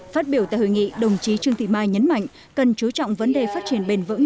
phát biểu tại hội nghị đồng chí trương thị mai nhấn mạnh cần chú trọng vấn đề phát triển bền vững